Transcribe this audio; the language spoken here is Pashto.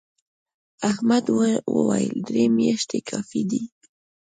احمد وويل: درې میاشتې کافي دي.